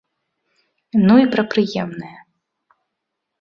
Ну і пра прыемнае.